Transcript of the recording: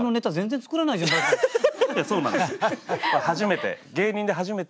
いやそうなんですよ